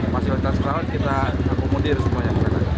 fasilitas perawat kita akomodir semuanya